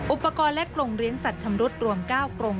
อุปกรณ์และกรงเลี้ยงสัตว์ชำรุดรวม๙กรง